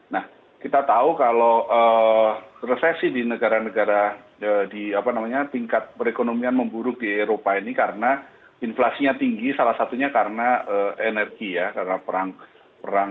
nah kita tahu kalau resesi di negara negara di apa namanya tingkat perekonomian memburuk di eropa ini karena inflasinya tinggi salah satunya karena energi ya karena perang